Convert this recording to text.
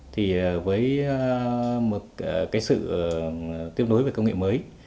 thì với một cái sự tiếp nối về công nghệ mới